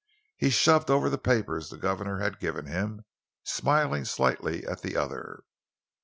He shoved over the papers the governor had given him, smiling slightly at the other.